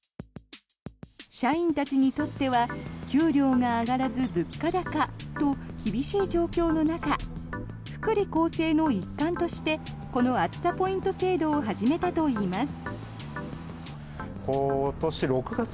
社員たちにとっては給料が上がらず物価高と厳しい状況の中福利厚生の一環としてこの暑さポイント制度を始めたといいます。